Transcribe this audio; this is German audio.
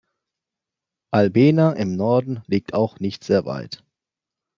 Albena im Norden liegt auch nicht sehr weit.